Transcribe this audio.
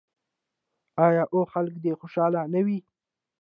آیا او خلک دې یې تل خوشحاله نه وي؟